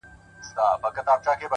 • سترگو کي باڼه له ياده وباسم؛